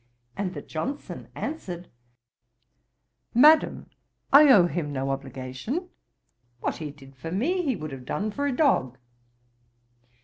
And that Johnson answered, 'Madam, I owe him no obligation; what he did for me he would have done for a dog.'